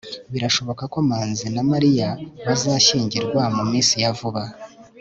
birashoboka ko manzi na mariya bazashyingirwa mu minsi ya vuba